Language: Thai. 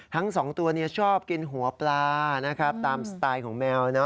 ทั้งสองตัวชอบกินหัวปลานะครับตามสไตล์ของแมว